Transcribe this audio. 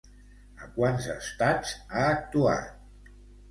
A quants estats ha actuat?